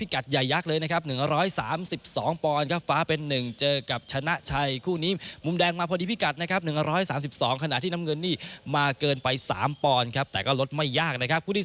ความรับมั่นใจกี่เปอร์เซ็นต์ไฟล์นี้